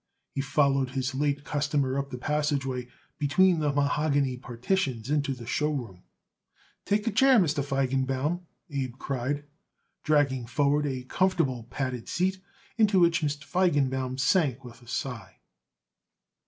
He followed his late customer up the passageway between the mahogany partitions, into the show room. "Take a chair, Mr. Feigenbaum," Abe cried, dragging forward a comfortable, padded seat, into which Feigenbaum sank with a sigh.